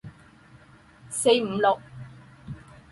四五六